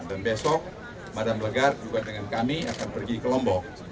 dan besok madam lagarde juga dengan kami akan pergi ke lombok